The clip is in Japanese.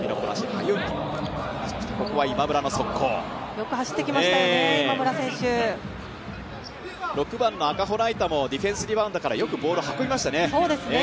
よく走ってきましたよね、今村選手６番の赤穂雷太もディフェンスリバウンドからよくボールを運びましたね。